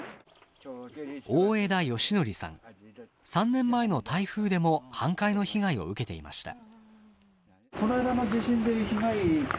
３年前の台風でも半壊の被害を受けていました。